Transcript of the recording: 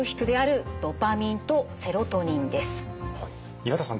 岩田さん